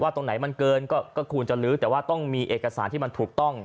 ตรงไหนมันเกินก็ควรจะลื้อแต่ว่าต้องมีเอกสารที่มันถูกต้อง